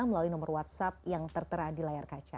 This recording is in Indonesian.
melalui nomor whatsapp yang tertera di layar kaca